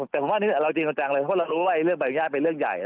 แต่ผมว่าเราจริงเอาจังเลยเพราะเรารู้ว่าเรื่องใบอนุญาตเป็นเรื่องใหญ่